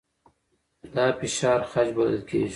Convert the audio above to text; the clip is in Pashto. دا فشار خج بلل کېږي.